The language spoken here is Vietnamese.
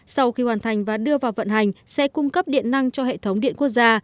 sau khi hoàn thành và đưa vào vận hành sẽ cung cấp điện năng cho hệ thống điện quốc gia